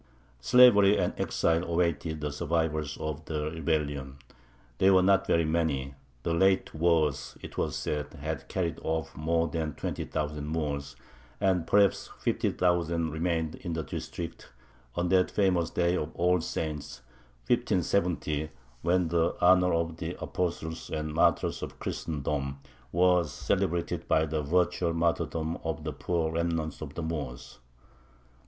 Slavery and exile awaited the survivors of the rebellion. They were not very many. The late wars, it was said, had carried off more than twenty thousand Moors, and perhaps fifty thousand remained in the district on that famous Day of All Saints, 1570, when the honour of the apostles and martyrs of Christendom was celebrated by the virtual martyrdom of the poor remnant of the Moors.